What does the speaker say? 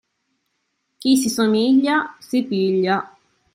Chi si somiglia, si piglia.